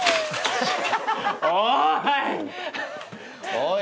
おい！